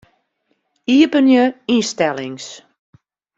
Iepenje ynstellings.